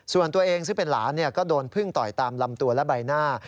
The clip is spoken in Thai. ส่วนตัวเองซึ่งเป็นหลานก็โดนพึ่งต่อยตามลำตัวและใบหน้า